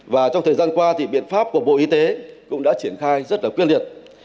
và trong thời gian qua thì biện pháp của bộ y tế cũng đã triển khai rất là quyết liệt